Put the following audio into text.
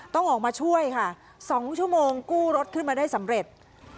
ต้องออกมาช่วยค่ะ๒ชั่วโมงกู้รถขึ้นมาได้สำเร็จ